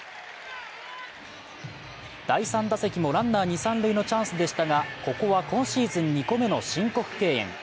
第３打席もランナー二・三塁のチャンスでしたがここは今シーズン２個目の申告敬遠。